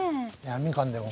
みかんでも。